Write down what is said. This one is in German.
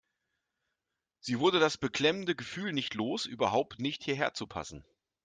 Sie wurde das beklemmende Gefühl nicht los, überhaupt nicht hierher zu passen.